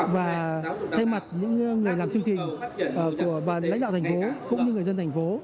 và thay mặt những người làm chương trình của lãnh đạo thành phố cũng như người dân thành phố